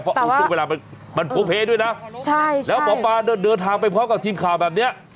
แต่ว่ามันโพหกเพศด้วยนะใช่ใช่แล้วหมอปลาเดินทางไปพบกับทีมค่าแบบเนี้ย